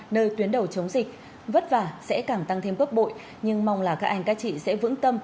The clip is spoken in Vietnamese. nơi tuyến đầu chống dịch vất vả sẽ càng tăng thêm bớt bụi nhưng mong là các anh các chị sẽ vững tâm